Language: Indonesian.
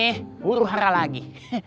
huru hara lagi